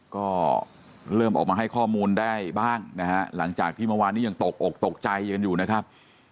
ก็เริ่มออกมาให้ข้อมูลได้บ้างนะฮะหลังจากที่เมื่อวานนี้ยังตกอกตกใจกันอยู่นะครับ